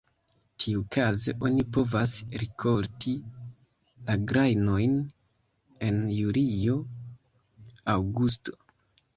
Tiukaze oni povas rikolti la grajnojn en julio-aŭgusto.